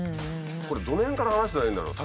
これどの辺から話したらいいんだろう？